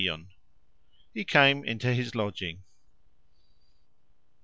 He came into his lodging.